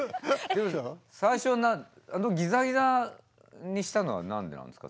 最初「ギザギザ」にしたのは何でなんですか？